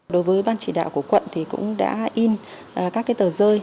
đối với ban chỉ đạo của quận thì cũng đã in các tờ rơi